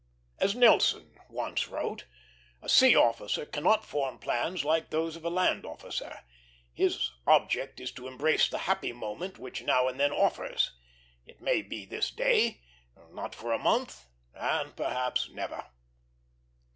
As Nelson once wrote: "A sea officer cannot form plans like those of a land officer; his object is to embrace the happy moment which now and then offers; it may be this day, not for a month, and perhaps never."